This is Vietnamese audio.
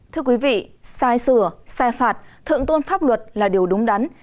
thưa quý vị sai sửa sai phạt thượng tôn pháp luật là điều đúng đắn